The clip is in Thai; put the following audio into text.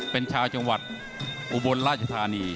เป็นชาวจังหวัดอุบลราชธานี